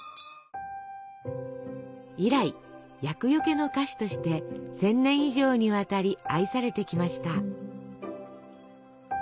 以来厄よけの菓子として１，０００年以上にわたり愛されてきました。